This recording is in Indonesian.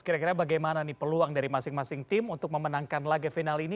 kira kira bagaimana nih peluang dari masing masing tim untuk memenangkan laga final ini